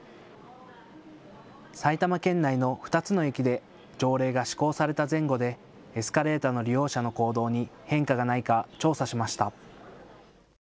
埼玉県内の２つの駅で条例が施行された前後でエスカレーターの利用者の行動に変化がないか調査しました。